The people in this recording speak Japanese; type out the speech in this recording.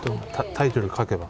タイトル書けば？